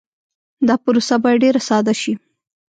دا پروسه باید ډېر ساده شي.